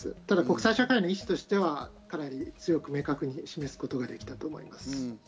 ただ国際社会の意志としては強く明確に示すことができたと思います。